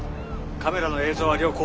カメラの映像は良好。